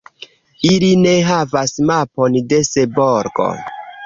Ili ne havas mapon de Seborgo.